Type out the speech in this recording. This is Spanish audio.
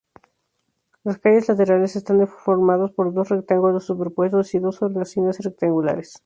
Las calles laterales están formadas por dos rectángulos superpuestos y dos hornacinas rectangulares.